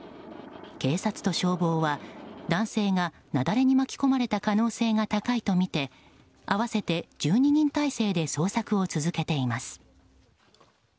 警察と消防は男性が雪崩に巻き込まれた可能性が高いとみて合わせて１２人態勢で捜索を続けています。